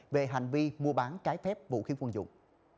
về hành vi mua bán trái phép vũ khí quân dụng